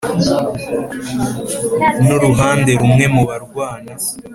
n uruhande rumwe mu barwana